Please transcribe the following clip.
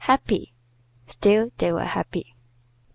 "Happy!" Still they were happy.